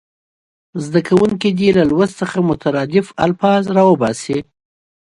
زده کوونکي دې له لوست څخه مترادف الفاظ راوباسي.